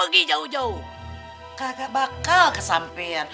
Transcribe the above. gak bakal kesampean